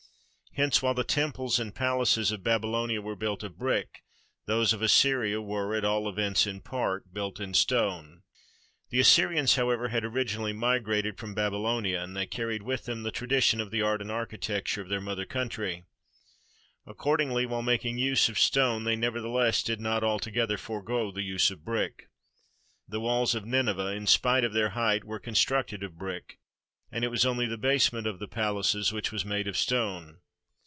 Hence, while the tem ples and palaces of Babylonia were built of brick, those of Assyria were, at all events in part, built of stone. The Assyrians, however, had originally migrated from Baby lonia, and they carried with them the tradition of the art and architecture of their mother country. Accord ingly, while making use of stone they nevertheless did not altogether forego the use of brick. The walls of Nineveh, in spite of their height, were constructed of brick, and it was only the basement of the palaces which was made of stone.